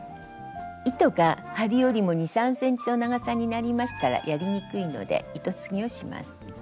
糸が針よりも２３ｃｍの長さになりましたらやりにくいので糸継ぎをします。